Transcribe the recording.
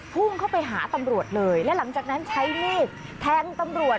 พุ่งเข้าไปหาตำรวจเลยและหลังจากนั้นใช้มีดแทงตำรวจ